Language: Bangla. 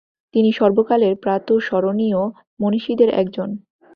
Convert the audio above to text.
তিনি সর্বকালের প্রাতঃস্মরণীয় মনীষীদের একজন।